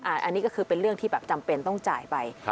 อันนี้ก็คือเป็นเรื่องที่แบบจำเป็นต้องจ่ายไป